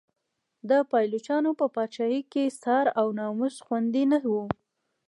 د پایلوچانو په پاچاهۍ کې سر او ناموس خوندي نه و.